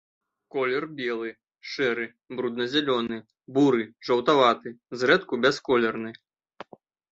Колер белы, шэры, брудна-зялёны, буры, жаўтаваты, зрэдку бясколерны.